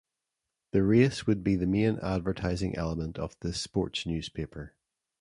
The race would be the main advertising element of this sports newspaper.